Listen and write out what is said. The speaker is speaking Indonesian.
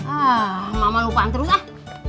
ah mama lupakan terus ah